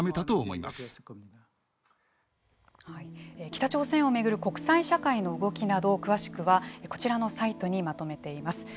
北朝鮮を巡る国際社会の動きなど詳しくはこちらのサイトにまとめています。